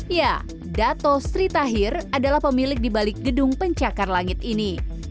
ya dato sri tahir adalah pemilik di balik gedung pencakar langit ini